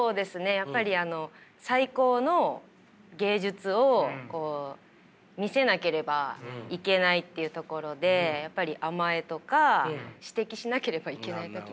やっぱりあの最高の芸術を見せなければいけないっていうところでやっぱり甘えとか指摘しなければいけない時が。